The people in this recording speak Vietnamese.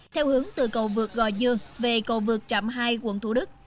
theo hướng từ cầu vực gò dương về cầu vực trạm hai quận thủ đức